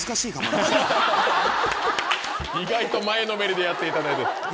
意外と前のめりでやっていただいて。